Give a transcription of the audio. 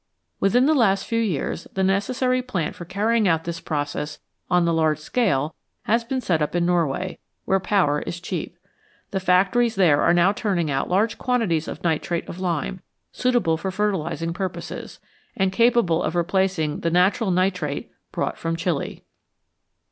Within the last few years the necessary plant for carrying out this process on the large scale has been set up in Norway, where power is cheap ; the factories there are now turning out large quantities of nitrate of lime, suitable for fertilising purposes, and capable of replacing the natural nitrate brought from Chili.